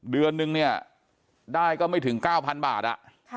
เดือนนึงเนี่ยได้ก็ไม่ถึง๙๐๐บาท